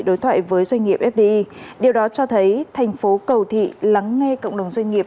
đối thoại với doanh nghiệp fdi điều đó cho thấy thành phố cầu thị lắng nghe cộng đồng doanh nghiệp